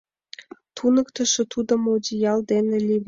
Туныктышо тудым одеял дене леведе.